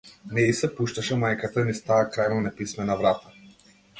Не и се пушташе мајката низ таа крајно неписмена врата.